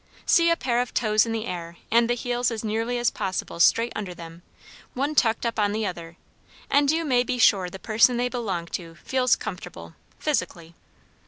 See a pair of toes in the air and the heels as nearly as possible straight under them, one tucked up on the other, and you may be sure the person they belong to feels comfortable physically.